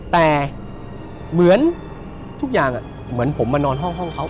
แต่เหมือนทุกอย่างเหมือนผมมานอนห้องเขา